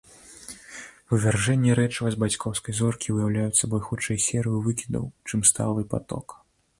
Вывяржэнні рэчыва з бацькоўскай зоркі ўяўляюць сабой хутчэй серыю выкідаў, чым сталы паток.